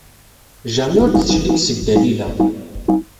Jane ur d-teclig seg Dalila.